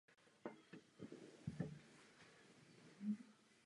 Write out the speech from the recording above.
Na fotografiích jsou zachyceny zbytky z opěrných a ochranných zdí a základy.